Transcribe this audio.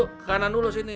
ke kanan dulu sini